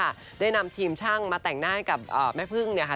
ดังนั้นค่ะได้นำทีมช่างมาแต่งหน้ากับแม่พึ่งเนี่ยค่ะ